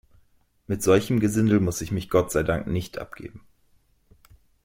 Mit solchem Gesindel muss ich mich Gott sei Dank nicht abgeben.